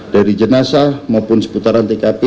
dari jenazah maupun seputaran tkp